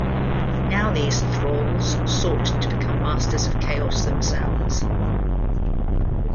Now these thralls sought to become masters of chaos themselves.